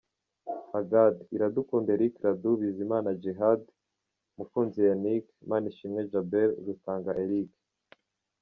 Hagat: Iradukunda Eric Radu, Bizimana Djihad, Mukunzi Yannick, Manishimwe Djabel, Rutanga Eric.